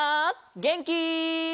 げんき？